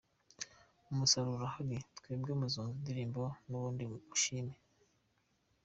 Umusaruro urahari, mwebwe muzumva indirimbo ubundi mushime.